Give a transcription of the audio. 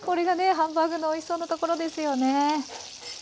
ハンバーグのおいしそうなところですよね。